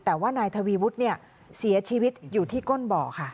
แต่ว่านายทวีวุฒิเนี่ยเสียชีวิตอยู่ที่ก้นบ่อค่ะ